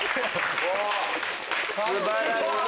素晴らしい！